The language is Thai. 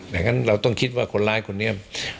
อย่างนั้นเราต้องคิดว่าคนร้ายคนนี้